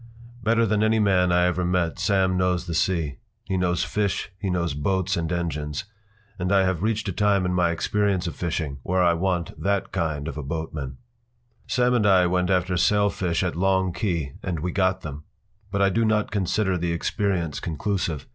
Better than any man I ever met Sam knows the sea; he knows fish, he knows boats and engines. And I have reached a time in my experience of fishing where I want that kind of a boatman. Sam and I went after sailfish at Long Key and we got them. But I do not consider the experience conclusive.